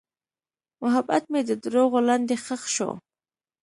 محبت مې د دروغو لاندې ښخ شو.